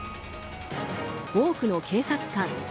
多くの警察官。